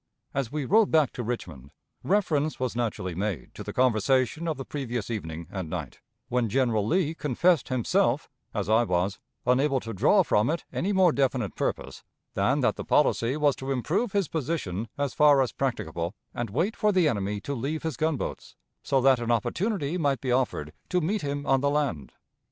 As we rode back to Richmond, reference was naturally made to the conversation of the previous evening and night, when General Lee confessed himself, as I was, unable to draw from it any more definite purpose than that the policy was to improve his position as far as practicable, and wait for the enemy to leave his gunboats, so that an opportunity might be offered to meet him on the land.